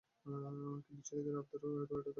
কিন্তু, ছেলেদের আবদারও তো এড়াতে পারি নে।